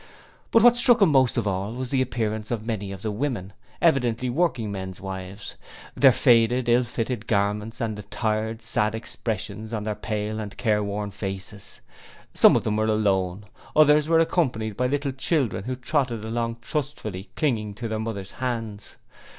But what struck him most of all was the appearance of many of the women, evidently working men's wives. Their faded, ill fitting garments and the tired, sad expressions on their pale and careworn faces. Some of them were alone; others were accompanied by little children who trotted along trustfully clinging to their mothers' hands.